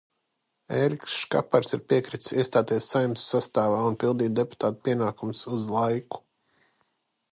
Ēriks Škapars ir piekritis iestāties Saeimas sastāvā un pildīt deputāta pienākumus uz laiku.